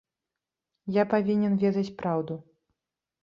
Я павінен ведаць праўду.